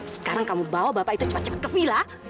sekarang kamu bawa bapak itu cepat cepat ke villa